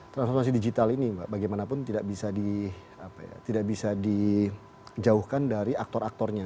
transformasi digital ini bagaimanapun tidak bisa dijauhkan dari aktor aktornya